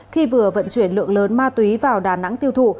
khi vừa vận chuyển lượng lớn ma túy vào đà nẵng tiêu thụ